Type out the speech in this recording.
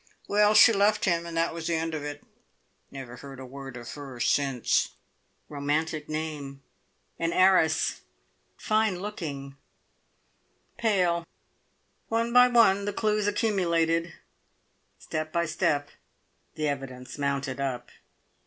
Well, she left him, and that was the end of it. Never heard a word of her since." Romantic name an heiress fine looking pale. One by one the clues accumulated step by step the evidence mounted up.